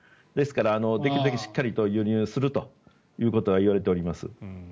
ですから、できるだけしっかり輸入するということはいわれております。